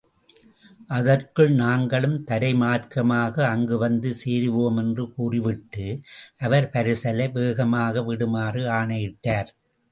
அதற்குள் நாங்களும் தரை மார்க்கமாக அங்கு வந்து சேருவோம் என்று கூறிவிட்டு அவர் பரிசலை வேகமாக விடுமாறு ஆணையிட்டார்.